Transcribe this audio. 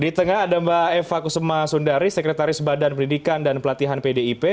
di tengah ada mbak eva kusuma sundari sekretaris badan pendidikan dan pelatihan pdip